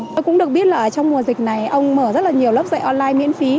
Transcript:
tôi cũng được biết là trong mùa dịch này ông mở rất là nhiều lớp dạy online miễn phí